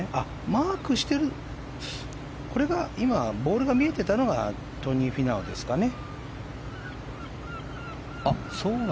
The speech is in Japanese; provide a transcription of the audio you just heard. マークしてる、これがボールが見えていたのがトニー・フィナウですかね。